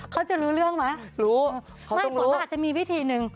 เขาจะรู้เรื่องไหมรู้เขาต้องรู้ไม่ผมว่าอาจจะมีวิธีหนึ่ง